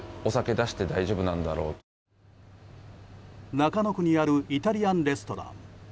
中野区にあるイタリアンレストラン。